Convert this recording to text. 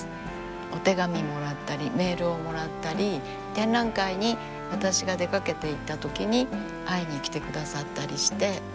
お手紙もらったりメールをもらったり展覧会に私が出かけていったときに会いに来てくださったりして。